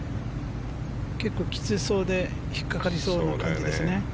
結構、きつそうで引っかかりそうな感じですね。